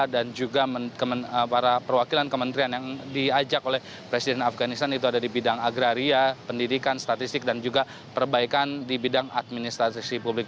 juga para perwakilan kementerian yang diajak oleh presiden afganistan itu ada di bidang agraria pendidikan statistik dan juga perbaikan di bidang administrasi publik